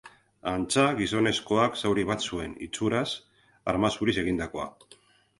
Antza, gizonezkoak zauri bat zuen, itxuraz, arma zuriz egindakoa.